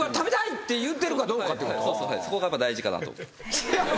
そこがやっぱ大事かなと。